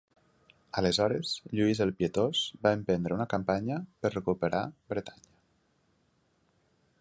Aleshores, Lluís el Pietós va emprendre una campanya per recuperar Bretanya.